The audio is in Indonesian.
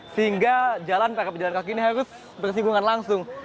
sehingga jalan para pejalan kaki ini harus bersinggungan langsung